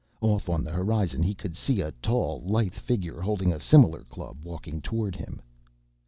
Off on the horizon he could see a tall, lithe figure holding a similar club walking toward him.